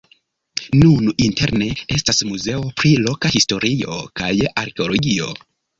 Nun interne estas muzeo pri loka historio kaj arkeologio.